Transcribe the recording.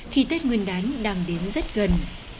khi tết nguyên đán đang đến rất gần